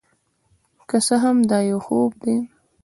که څه هم دا یو خوب دی،